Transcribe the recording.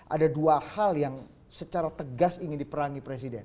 ada dua hal yang secara tegas ingin diperangi presiden